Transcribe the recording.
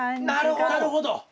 なるほど。